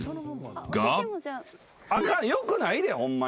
［が］よくないでホンマに。